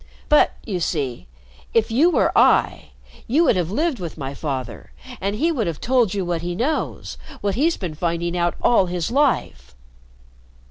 But, you see, if you were I, you would have lived with my father, and he'd have told you what he knows what he's been finding out all his life."